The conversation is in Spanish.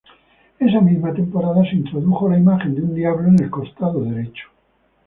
Esa misma temporada se introdujo la imagen de un diablo en el costado derecho.